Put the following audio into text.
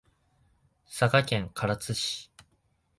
佐賀県唐津市